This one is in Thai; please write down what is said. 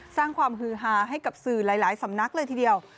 สร้างความฮือฮาให้กับสื่อหลายสำนักเลยทีเดียว